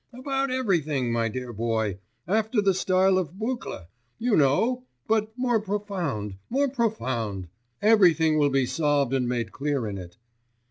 'About everything, my dear boy, after the style of Buckle, you know ... but more profound, more profound.... Everything will be solved and made clear in it.